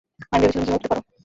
আমি ভেবেছিলাম তুমি উড়তে পারো।